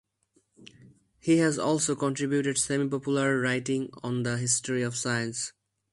He has also contributed semi-popular writing on the history of science.